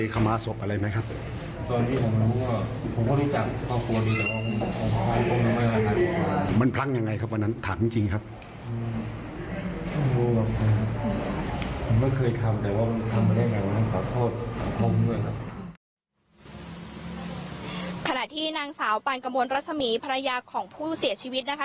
ขณะที่นางสาวปานกระมวลรัศมีภรรยาของผู้เสียชีวิตนะคะ